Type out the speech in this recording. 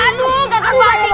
aduh gatel banget sih